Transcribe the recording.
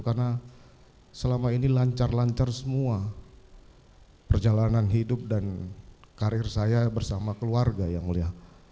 karena selama ini lancar lancar semua perjalanan hidup dan karir saya bersama keluarga ya mulia